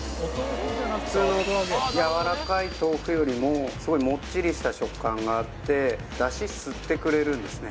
普通のやわらかい豆腐よりもすごいもっちりした食感があって出汁吸ってくれるんですね